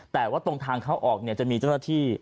แต่ว่าตรงทางเข้าออกจะมีเจ้าหน้าที่